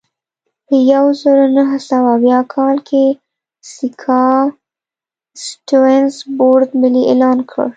په یوه زرو نهه سوه اویا کال کې سیاکا سټیونز بورډ ملي اعلان کړ.